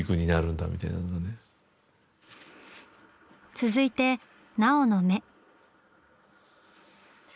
続いて奈緒の目。